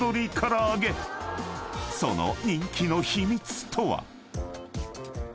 ［その人気の秘密とは？］